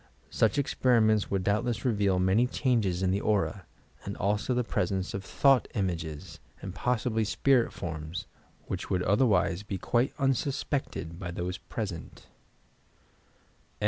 Such experiments would doubtless reveal many changes in the Aura, and also the presence of Thought Images and pos sibly Spirit Forms which would otherwise be quite unsus pected by those present.